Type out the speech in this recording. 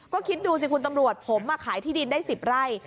ก็คิดดูสิคุณตำรวจผมขายที่ดินได้๑๐ไร่